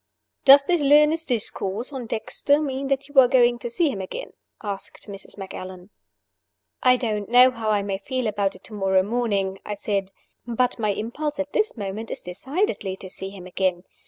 "Does this learned discourse on Dexter mean that you are going to see him again?" asked Mrs. Macallan. "I don't know how I may feel about it tomorrow morning," I said; "but my impulse at this moment is decidedly to see him again.